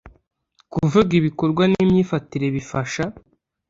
kuvuga ibikorwa n'imyifatire bifasha